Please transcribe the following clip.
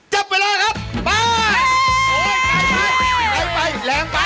จับเวลาครับไป